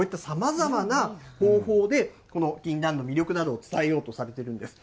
こういったさまざまな方法で、このぎんなんの魅力などを伝えようとされてるんです。